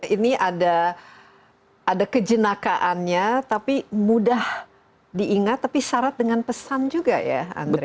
ini ada kejenakaannya tapi mudah diingat tapi syarat dengan pesan juga ya andre